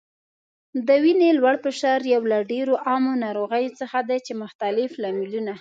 د وینې لوړ فشار یو له ډیرو عامو ناروغیو څخه دی چې مختلف لاملونه